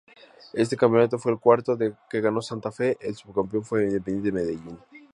Este campeonato fue el cuarto que ganó Santa Fe, el subcampeón fue Independiente Medellín.